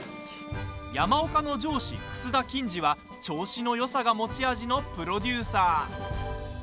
山岡の上司、楠田欽治は調子のよさが持ち味のプロデューサー。